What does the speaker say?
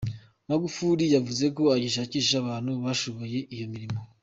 Magufuli yavuze ko agishakisha abantu bashoboye iyo mirimo.